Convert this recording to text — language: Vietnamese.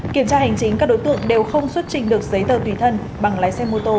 kiểm tra hành chính các đối tượng đều không xuất trình được giấy tờ tùy thân bằng lái xe mô tô